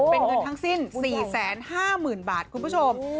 เป็นเงินทั้งสิ้น๔๕๐๐๐บาทคุณผู้ชม